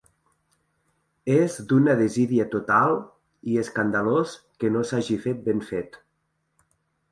És d’una desídia total, i escandalós que no s’hagi fet ben fet.